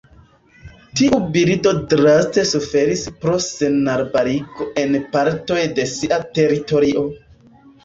Tiu birdo draste suferis pro senarbarigo en partoj de sia teritorio.